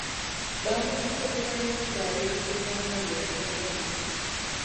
Baamukukunulayo ng’ali bukunya nga bweyazaalibwa.